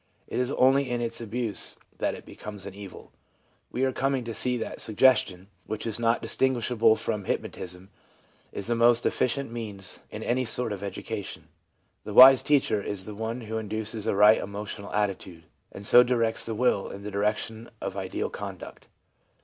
It is only in its abuse that it becomes an evil. We are coming to see that suggestion (which is not distinguishable from hypnot ism) is a most efficient means in any sort of education. The wise teacher is the one who induces a right emotional attitude, and so directs the will in the direction of ideal conduct.